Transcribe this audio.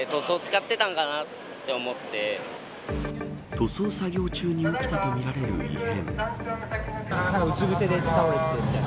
塗装作業中に起きたとみられる異変。